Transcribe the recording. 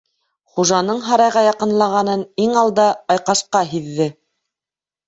Хужаның һарайға яҡынлағанын иң алда Айҡашҡа һиҙҙе.